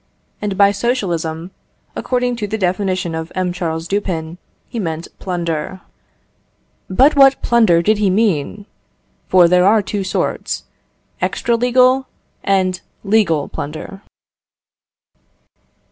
And by socialism, according to the definition of M. Charles Dupin, he meant plunder. But what plunder did he mean? For there are two sorts extra legal and legal plunder.